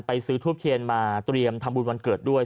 ซื้อทูบเทียนมาเตรียมทำบุญวันเกิดด้วย